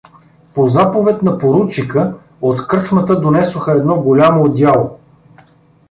По заповед на поручика от кръчмата донесоха едно голямо одеяло.